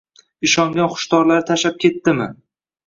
Ishongan xushtorlari tashlab ketdimi